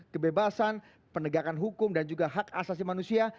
kebebasan penegakan hukum dan juga hak asasi manusia